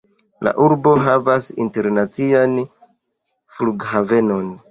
La urbo havas internacian flughavenon.